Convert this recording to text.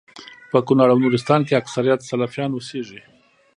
په کونړ او نورستان کي اکثريت سلفيان اوسيږي